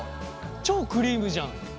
超クリームじゃん。